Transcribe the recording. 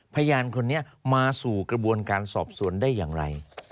พยานคนนี้มาสู่กระบวนการสอบสวนได้อย่างไร